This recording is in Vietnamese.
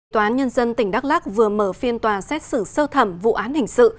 tòa án nhân dân tỉnh đắk lắc vừa mở phiên tòa xét xử sơ thẩm vụ án hình sự